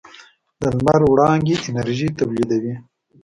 د لمر وړانګې انرژي تولیدوي.